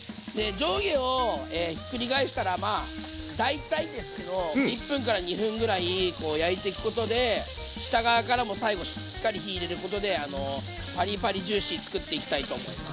上下をひっくり返したらまあ大体ですけど１分から２分ぐらい焼いていくことで下側からも最後しっかり火入れることでパリパリジューシーつくっていきたいと思います。